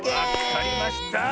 わかりました！